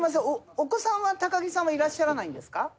お子さんは木さんはいらっしゃらないんですか？